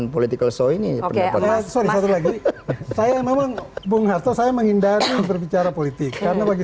political so ini oke saya menghapus saya menghindari berbicara politik karena bagi